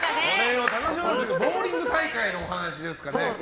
ボウリング大会のお話ですかね。